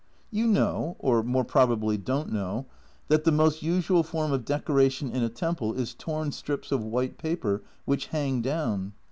You know (or more probably don't know) that the most usual form of decoration in a temple is torn strips of white paper, which hang down.